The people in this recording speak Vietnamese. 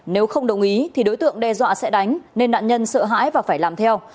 nếu không đồng ý thì đối tượng đe dọa sẽ đánh nên nạn nhân sợ hãi và phải làm theo